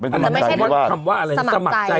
เป็นสมัครใจทะเลาวิวาดอันนี้คือคำว่าอะไร